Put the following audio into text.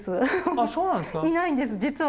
あそうなんですか。